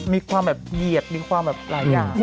มีความเหยียดมีความหลายอย่าง